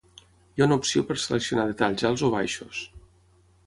Hi ha una opció per seleccionar detalls alts o baixos.